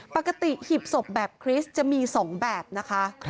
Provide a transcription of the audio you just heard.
ปกติหีบศพแบบคริสต์จะมี๒แบบนะคะ